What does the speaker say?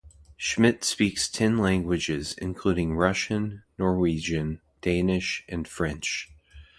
Schmitt speaks ten languages, including Russian, Norwegian, Danish, and French.